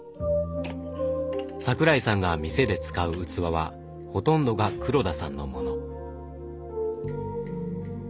桜井さんが店で使う器はほとんどが黒田さんのもの。